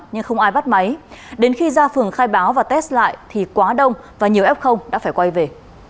nhưng không ai bắt máy đến khi ra phường khai báo và test lại thì quá đông và nhiều f đã phải quay về